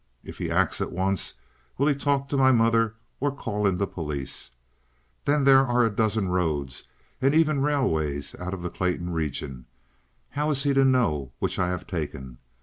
If he acts at once, will he talk to my mother or call in the police? Then there are a dozen roads and even railways out of the Clayton region, how is he to know which I have taken?